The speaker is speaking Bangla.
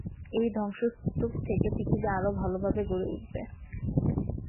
এই ধ্বংসস্তূপ থেকে পৃথিবী আরও ভালভাবে গড়ে উঠবে।